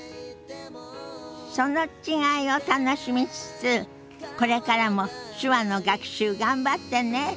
その違いを楽しみつつこれからも手話の学習頑張ってね。